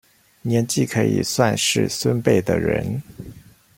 年紀可以算是孫輩的人